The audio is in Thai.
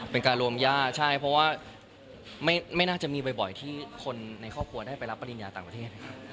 เป็นการรวมย่าใช่เพราะว่าไม่น่าจะมีบ่อยที่คนในครอบครัวได้ไปรับปริญญาต่างประเทศ